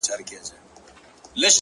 • هی کوه یې لکه ډلي د اوزگړو ,